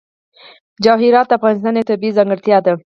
جواهرات د افغانستان یوه طبیعي ځانګړتیا ده.